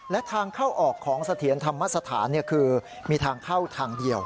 และทางเข้าออกของเสถียรธรรมสถานคือมีทางเข้าทางเดียว